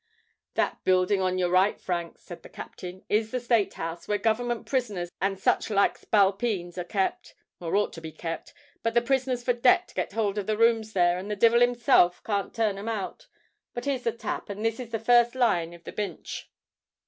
"That building on your right, Frank," said the captain, "is the State House, where Government prisoners and such like spalpeens are kept—or ought to be; but the prisoners for debt get hould of the rooms there, and the divil himself can't turn 'em out. But here's the Tap: and this is the first lion of the Binch."